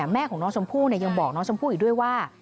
แม่ของน้องชมพู่ยังบอกน้องชมพู่อีกด้วยว่า